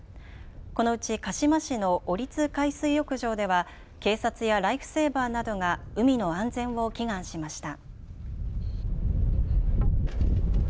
このうち鹿嶋市の下津海水浴場では警察やライフセーバーなどが海の安全を祈願しました。